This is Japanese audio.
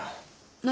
何？